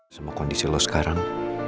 semua kondisi lo sekarang